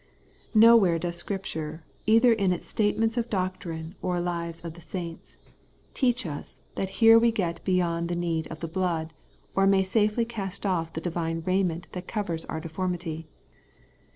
Nowhere does Scripture, either in its statements of doctrine or lives of the saints, teach us that here k 190 The Everlasting Righteousness, we get beyond our need of the blood, or may safely cast ofif the divine raiment that covers our deformity.